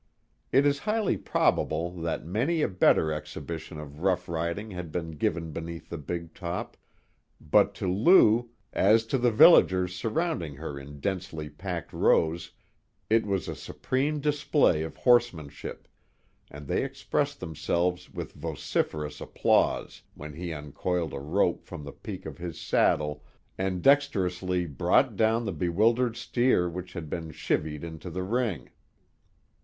It is highly probable that many a better exhibition of rough riding had been given beneath the big top, but to Lou, as to the villagers surrounding her in densely packed rows, it was a supreme display of horsemanship, and they expressed themselves with vociferous applause when he uncoiled a rope from the peak of his saddle and dexterously brought down the bewildered steer which had been chivvied into the ring.